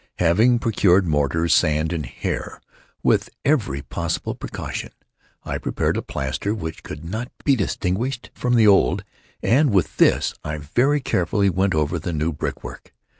Having procured mortar, sand, and hair, with every possible precaution, I prepared a plaster which could not be distinguished from the old, and with this I very carefully went over the new brickwork.